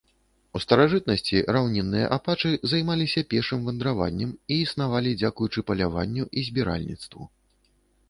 У старажытнасці раўнінныя апачы займаліся пешым вандраваннем і існавалі дзякуючы паляванню і збіральніцтву.